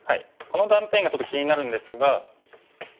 この断点がちょっと気になるんですが。